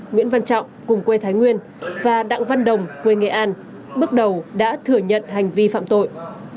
nguyễn văn trọng cùng quê thái nguyên và đặng văn đồng quê nghệ an bước đầu đã thừa nhận hành vi phạm tội